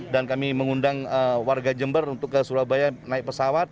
dan kami mengundang warga jember untuk ke surabaya naik pesawat